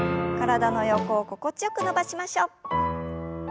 体の横を心地よく伸ばしましょう。